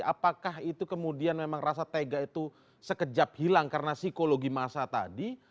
apakah itu kemudian memang rasa tega itu sekejap hilang karena psikologi masa tadi